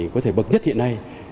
có thể bậc nhất hiện nay